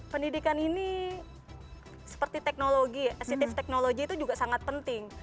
pendidikan ini seperti teknologi acitif technology itu juga sangat penting